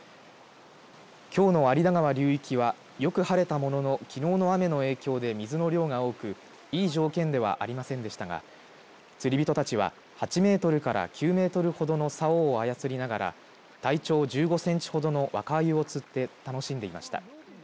きょうの有田川流域はよく晴れたもののきのうの雨の影響で水の量が多くいい条件ではありませんでしたが釣り人たちは８メートルから９メートルほどのさおを操りながら体長１５センチほどの若あゆを釣って楽しんでいました。